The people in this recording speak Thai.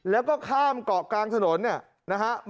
แล้วก็ข้ามเกาะกลางถนนนะครับ